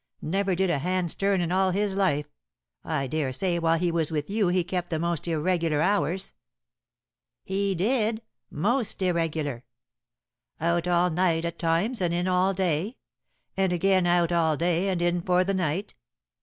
Never did a hand's turn in all his life. I daresay while he was with you he kept the most irregular hours?" "He did most irregular." "Out all night at times, and in all day? And again, out all day and in for the night?"